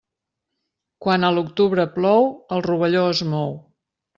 Quan a l'octubre plou, el rovelló es mou.